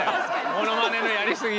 ものまねのやりすぎで。